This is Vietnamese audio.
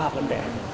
ba vấn đề